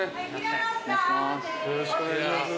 よろしくお願いします。